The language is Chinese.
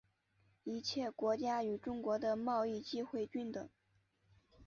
一切国家与中国的贸易机会均等。